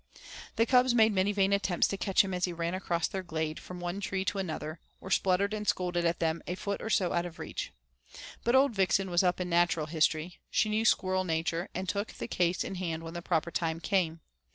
The cubs made many vain attempts to catch him as he ran across their glade from one tree to an other, or spluttered and scolded at them a foot or so out of reach. But old Vixen was up in natural history she knew squirrel nature and took the case in hand when the proper time came.